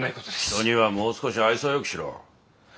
人にはもう少し愛想よくしろ。